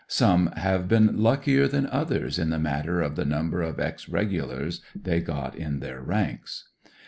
Some have been luckier than others in the matter of the number of ex Regulars they got in their ranks.